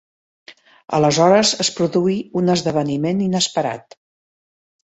Aleshores es produí un esdeveniment inesperat.